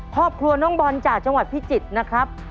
ครอบครัวน้องบอลจากจังหวัดพิจิตรนะครับ